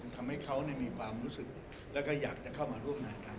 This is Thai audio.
ทำให้เขามีความรู้สึกแล้วก็อยากจะเข้ามาร่วมงานกัน